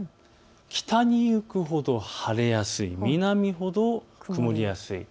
北に行くほど晴れやすい、南ほど曇りやすい。